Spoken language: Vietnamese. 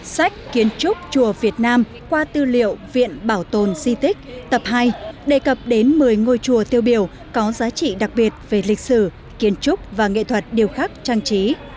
sách kiến trúc chùa việt nam qua tư liệu viện bảo tồn di tích tập hai đề cập đến một mươi ngôi chùa tiêu biểu có giá trị đặc biệt về lịch sử kiến trúc và nghệ thuật điều khắc trang trí